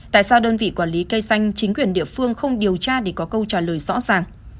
tại sao đơn vị quản lý cây xanh chính quyền địa phương không điều tra để có câu trả lời rõ ràng